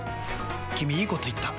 君いいこと言った！